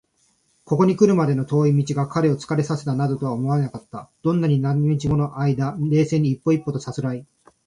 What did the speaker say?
ここにくるまでの遠い道が彼を疲れさせたなどとは思われなかった。どんなに何日ものあいだ、冷静に一歩一歩とさすらいつづけてきたことか！